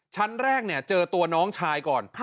ชั้นแรกเจอตัวน้องชายก่อน